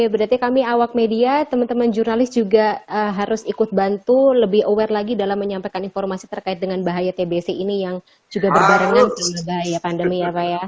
berarti kami awak media teman teman jurnalis juga harus ikut bantu lebih aware lagi dalam menyampaikan informasi terkait dengan bahaya tbc ini yang juga berbarengan dengan bahaya pandemi ya pak ya